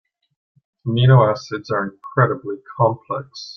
Amino acids are incredibly complex.